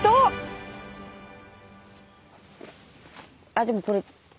あっでもこれ。